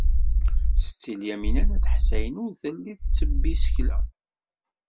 Setti Lyamina n At Ḥsayen ur telli tettebbi isekla.